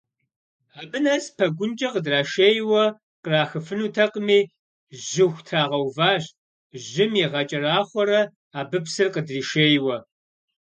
Абы нэс пэгункӏэ къыдрашейуэ кърахыфынутэкъыми, жьыху трагъэуващ, жьым игъэкӏэрахъуэрэ абы псыр къыдришейуэ.